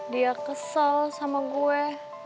dia kesel sama gue